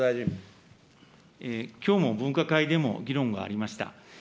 きょうも分科会でも、議論がありました。